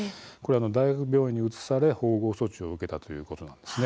大学病院に移され縫合措置を受けたということです。